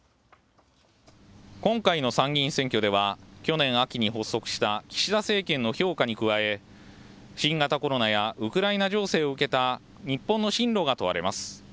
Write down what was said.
今回の参議院選挙では去年秋に発足した岸田政権の評価に加え新型コロナやウクライナ情勢を受けた日本の針路が問われます。